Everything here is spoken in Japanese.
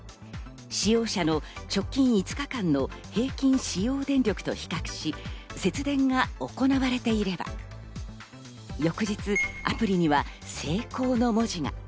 使用者の直近５日間の平均使用電力と比較し、節電が行われていれば、翌日アプリには「成功」の文字が。